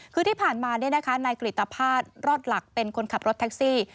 คือที่ผ่านมานายกริตภาษณ์รอดหลักเป็นคนขับรถแท็กซี่